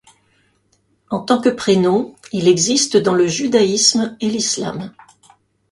En tant que prénom, il existe dans le judaïsme et l'islam.